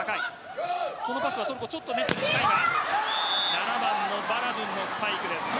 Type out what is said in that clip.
７番のバラドゥンのスパイクです。